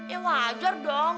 ya wajar dong